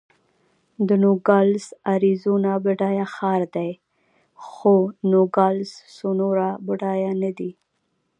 د نوګالس اریزونا بډایه ښار دی، خو نوګالس سونورا بډایه نه دی.